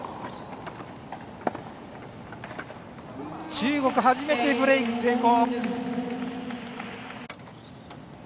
中国、初めてブレーク成功。